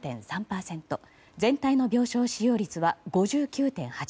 全体の病床使用率は５９．８％。